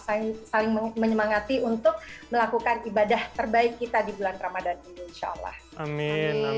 saling menyemangati untuk melakukan ibadah terbaik kita di bulan ramadan ini insya allah